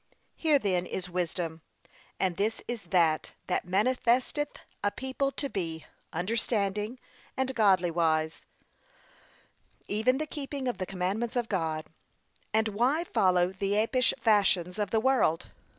Here then is wisdom, and this is that that manifesteth a people to be, understanding, and godly wise, even the keeping of the commandments of God. And why follow the apish fashions of the world?